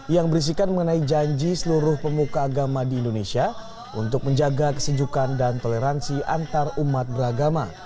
yang berisikan mengenai janji seluruh pemuka agama di indonesia untuk menjaga kesejukan dan toleransi antarumat beragama